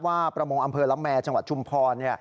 ประมงอำเภอละแมจังหวัดชุมพร